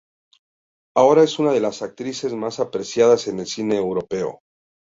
Ahora es una de las actrices más apreciadas en el cine europeo.